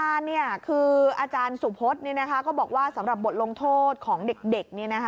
อาจารย์สุพฤษฐ์ก็บอกว่าสำหรับบทลงโทษของเด็ก